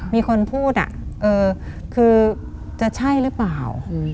มีคนพูดคือจะใช่หรือเปล่า